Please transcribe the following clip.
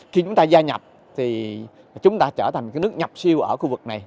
khi chúng ta gia nhập thì chúng ta trở thành nước nhập siêu ở khu vực này